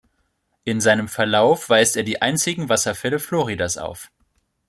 In seinem Verlauf weist er die einzigen Wasserfälle Floridas auf.